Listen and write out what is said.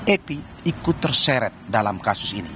epi ikut terseret dalam kasus ini